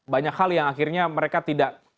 banyak hal yang akhirnya mereka tidak